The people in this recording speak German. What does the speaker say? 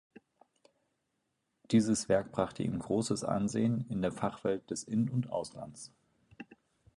Dieses Werk brachte ihm großes Ansehen in der Fachwelt des In- und Auslands.